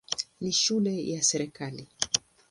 Ni shule ya serikali.